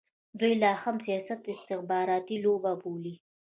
دوی لا هم سیاست د استخباراتي لوبه بولي.